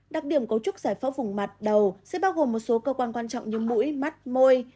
đặc điểm cấu trúc giải phẫu vùng mặt đầu sẽ bao gồm một số cơ quan quan trọng như mũi mắt môi